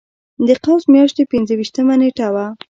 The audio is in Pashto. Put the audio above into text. د قوس میاشتې پنځه ویشتمه نېټه وه.